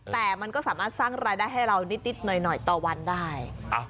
แต่มันก็สามารถสร้างรายได้ให้เรานิดหน่อยต่อวันได้